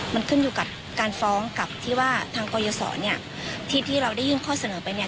มันขึ้นอยู่กับการฟ้องกับที่ว่าทางกรยศรเนี่ยที่ที่เราได้ยื่นข้อเสนอไปเนี่ย